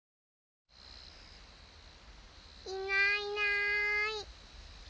いないいない。